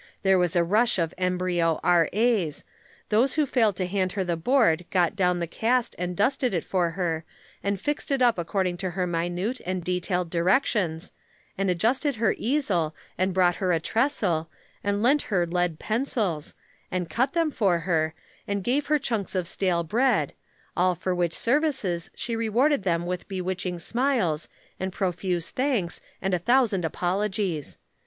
There was a rush of embryo R.A.'S. Those who failed to hand her the board got down the cast and dusted it for her and fixed it up according to her minute and detailed directions, and adjusted her easel, and brought her a trestle, and lent her lead pencils, and cut them for her, and gave her chunks of stale bread, for all which services she rewarded them with bewitching smiles and profuse thanks and a thousand apologies.